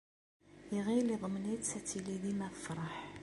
Iɣil yeḍmen-itt ad tili dima tefṛeḥ.